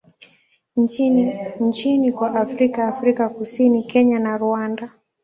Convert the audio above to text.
nchini kwa Afrika Afrika Kusini, Kenya na Rwanda.